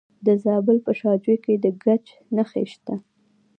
د زابل په شاجوی کې د ګچ نښې شته.